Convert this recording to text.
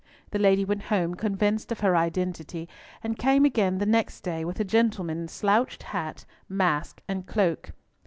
The lady went home convinced of her identity, and came again the next day with a gentleman in slouched hat, mask, and cloak.